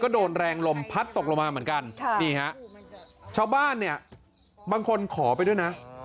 โดนแรงลมพัดตกลงมาเหมือนกันนี่ฮะชาวบ้านเนี่ยบางคนขอไปด้วยนะ